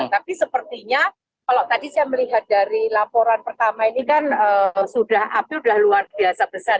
tapi sepertinya kalau tadi saya melihat dari laporan pertama ini kan sudah update sudah luar biasa besar